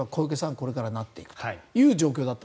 これからなっていくという状況だった。